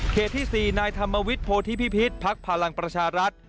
เขตที่๔นายธรรมวิทย์โพธิพิพิษพรรคพลังประชารัฐ